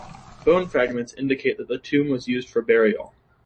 Bone fragments indicate that the tomb was used for burial.